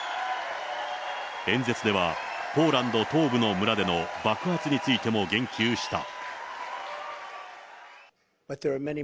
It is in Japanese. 演説では、ポーランド東部の村での爆発についても言及した。